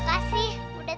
kita selamatkan nenek